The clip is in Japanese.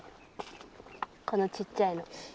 このちっちゃいの。